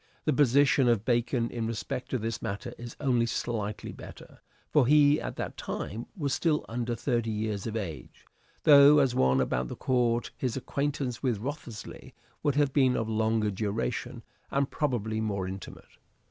The position of Bacon in respect to this matter is only slightly better ; for he, at that time, was still under thirty years of age, though, as one about the court, his acquaintance with Wriothesley would have been of longer duration and probably more intimate.